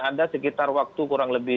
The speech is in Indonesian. ada sekitar waktu kurang lebih